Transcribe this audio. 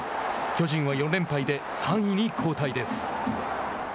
巨人は４連敗で３位に後退です。